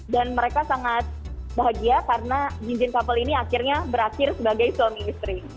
dan mereka sangat bahagia karena bin jin couple ini akhirnya berakhir sebagai suami istri